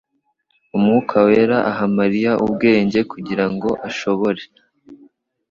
Umwuka wera aha Mariya ubwenge kugira ngo ashobore,